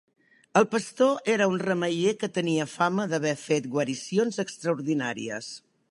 El pastor era un remeier que tenia fama d'haver fet guaricions extraordinàries.